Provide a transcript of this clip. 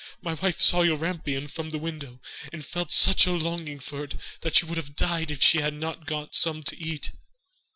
My wife saw your rampion from the window, and felt such a longing for it that she would have died if she had not got some to eat.